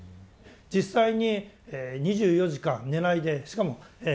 実際に２４時間寝ないでしかも体も動かす